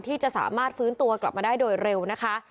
ที่จะสามารถฟื้นตัวกลับมาได้โดยเร็วนะคะ